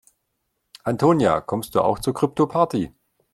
Antonia, kommst du auch zur Kryptoparty?